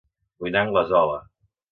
Vull anar a Anglesola